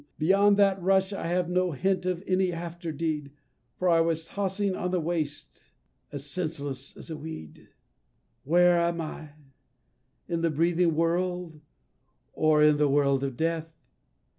Beyond that rush I have no hint of any after deed For I was tossing on the waste, as senseless as a weed. "Where am I? in the breathing world, or in the world of death?"